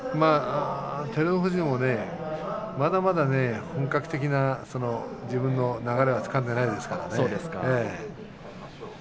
照ノ富士も、まだまだ本格的な自分の流れをつかんでいません。